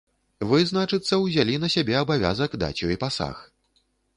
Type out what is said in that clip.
Вы, значыцца, узялі на сябе абавязак даць ёй пасаг.